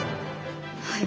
はい。